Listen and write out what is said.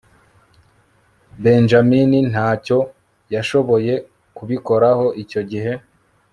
benjamin ntacyo yashoboye kubikoraho icyo gihe